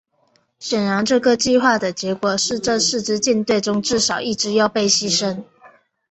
显然这个计划的结果是这四支舰队中至少一支要被牺牲。